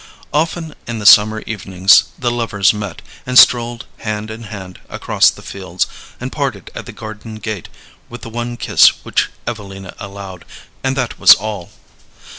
Often in the summer evenings the lovers met, and strolled hand in hand across the fields, and parted at the garden gate with the one kiss which Evelina allowed, and that was all.